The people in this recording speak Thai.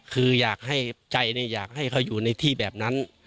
คืออยากให้ใจอยากให้เขาอยู่ในที่แบบนั้น